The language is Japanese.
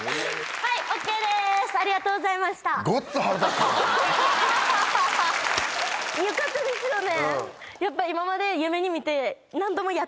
ありがとうございましたよかったですよね？